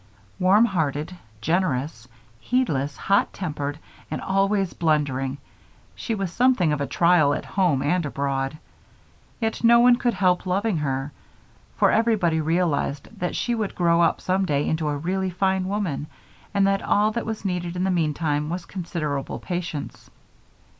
Warm hearted, generous, heedless, hot tempered, and always blundering, she was something of a trial at home and abroad; yet no one could help loving her, for everybody realized that she would grow up some day into a really fine woman, and that all that was needed in the meantime was considerable patience.